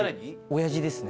親父ですね。